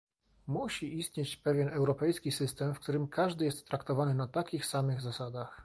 Musi istnieć pewien europejski system, w którym każdy jest traktowany na takich samych zasadach